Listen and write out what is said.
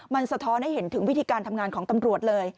มันสะท้อนให้เห็นถึงวิธีการทำงานของตำรวจเลย